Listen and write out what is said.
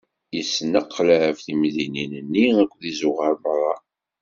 Isneqlab timdinin-nni akked izuɣar meṛṛa.